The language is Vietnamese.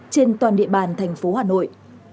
trên toàn địa bàn thành phố hà nội